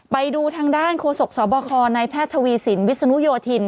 ไปดูทางด้านโฆษกสบคในแพทย์ทวีสินวิศนุโยธิน